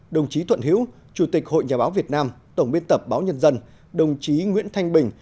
đồng chí thuận hữu chủ tịch hội nhà báo việt nam tổng biên tập báo nhân dân đồng chí nguyễn thanh bình